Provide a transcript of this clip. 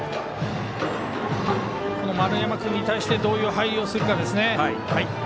丸山君に対してどういう入りするかですね。